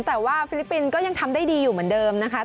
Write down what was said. แต่ว่าฟิลิปปินส์ก็ยังทำได้ดีอยู่เหมือนเดิมนะคะ